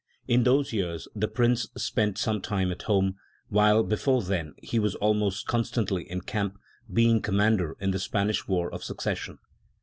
In those years the Prince spent some time at home, while before then he was almost constantly in camp, being commander in the Span ish War of Succession.